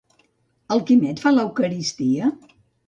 El Quimet fa l'eucaristia?